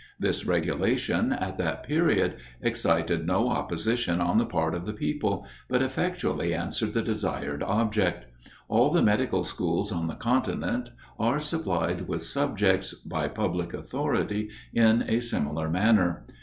This regulation, at that period, excited no opposition on the part of the people, but effectually answered the desired object. All the medical schools on the continent are supplied with subjects, by public authority, in a similar manner.